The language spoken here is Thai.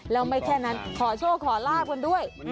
แล้วไม่แค่นั้นขอโชคขอลาบกันด้วย